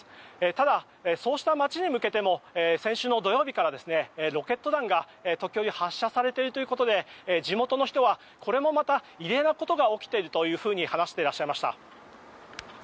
ただ、そうした街に向けても先週の土曜日からロケット弾が時折発射されているということで地元の人はこれもまた異例なことが起きていると話していらっしゃいました。